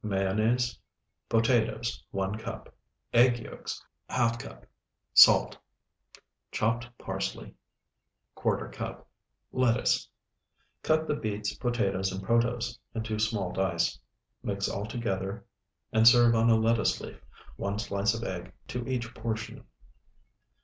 Mayonnaise. Potatoes, 1 cup. Egg yolks, ½ cup. Salt. Chopped parsley, ¼ cup. Lettuce. Cut the beets, potatoes, and protose into small dice. Mix all together and serve on a lettuce leaf; one slice of egg to each portion.